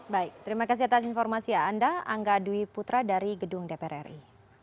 baik terima kasih atas informasi anda angga dwi putra dari gedung dpr ri